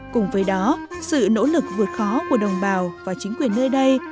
cùng với đó sự nỗ lực vượt khó của đồng bào và chính quyền nơi đây